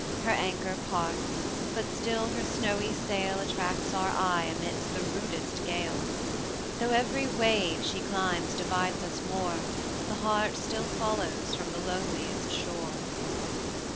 Her anchor parts; but still her snowy sail Attracts our eye amidst the rudest gale: Though every wave she climbs divides us more, The heart still follows from the loneliest shore.